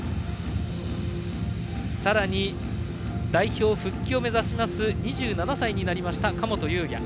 さらに代表を復帰を目指します２７歳になりました神本雄也。